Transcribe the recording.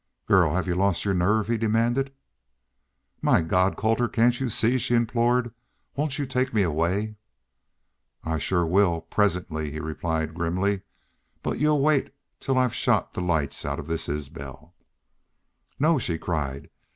"Girl, have y'u lost your nerve?" he demanded. "My God! Colter cain't y'u see?" she implored. "Won't y'u take me away?" "I shore will presently," he replied, grimly. "But y'u'll wait till I've shot the lights out of this Isbel." "No!" she cried.